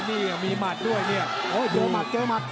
นี่มีหมัดด้วยเนี่ยโอ้เจอหมัดเจอหมัด